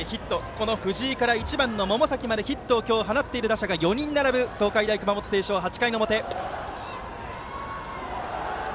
この藤井から１番の百崎まで今日ヒットを放っている打者が４人並ぶ熊本星翔８回の表の攻撃。